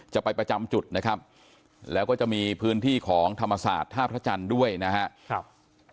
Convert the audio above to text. จะไปประจำจุดนะครับแล้วก็จะมีพื้นที่ของธรรมศาสตร์ท่าพระจันทร์ด้วยนะครับ